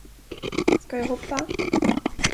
Ska jag hoppa?